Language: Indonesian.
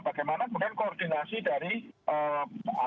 bagaimana kemudian koordinasi dari penegakan hukum